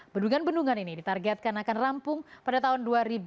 bendungan bendungan ini ditargetkan akan rampung pada tahun dua ribu dua puluh